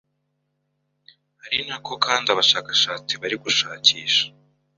Ari nako kandi abashakashatsi bari gushakisha